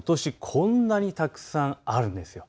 こんなにたくさんあるんです。